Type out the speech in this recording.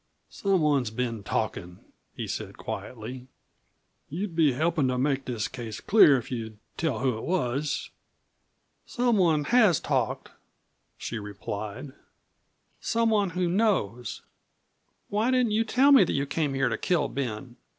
"Someone's been talkin'," he said quietly. "You'd be helpin' to make this case clear if you'd tell who it was." "Someone has talked," she replied; "someone who knows. Why didn't you tell me that you came here to kill Ben?